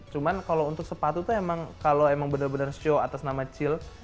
cuman kalau untuk sepatu itu emang kalau emang benar benar show atas nama cil